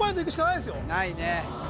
ないね